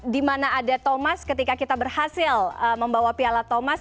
dimana ada thomas ketika kita berhasil membawa piala thomas